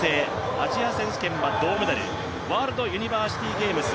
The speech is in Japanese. アジア選手権は銅メダル、ワールドユニバーシティゲームズ